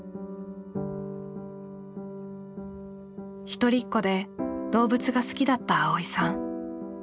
一人っ子で動物が好きだった蒼依さん。